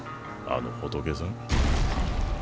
あの仏さん。